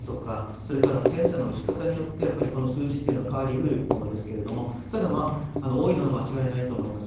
それから検査の仕方によってこの数字というのは変わり得るものですがただ、多いのは間違いないと思います。